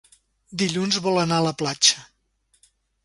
Dilluns vol anar a la platja.